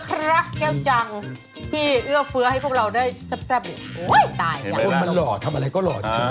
เอาให้พวกเราได้แซ่บเดี๋ยวอุ๊ยตายพอมันเหล่าทำอะไรก็เหล่าดีใช่ไหม